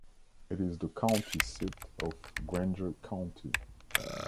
It is the county seat of Grainger County.